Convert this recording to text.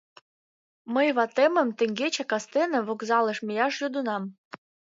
Мый ватемым теҥгече кастене вокзалыш мияш йодынам.